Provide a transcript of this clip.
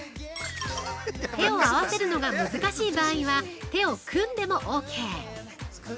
◆手を合わせるのが難しい場合は手を組んでもＯＫ！